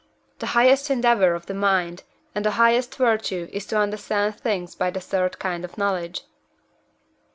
The highest endeavour of the mind, and the highest virtue is to understand things by the third kind of knowledge.